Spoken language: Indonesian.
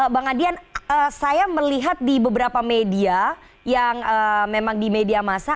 bang adian saya melihat di beberapa media yang memang di media masa